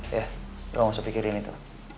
ya udah gak usah pikirin itu